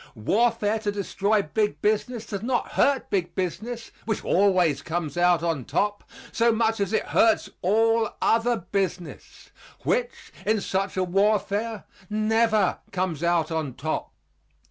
Warfare to destroy big business does not hurt big business, which always comes out on top, so much as it hurts all other business which, in such a warfare, never comes out on top.